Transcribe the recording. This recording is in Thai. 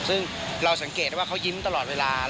ซึ่งเราสังเกตได้ว่าเขายิ้มตลอดเวลา